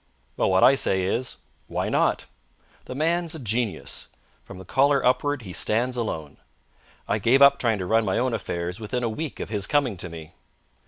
Well, what I say is: Why not? The man's a genius. From the collar upward he stands alone. I gave up trying to run my own affairs within a week of his coming to me.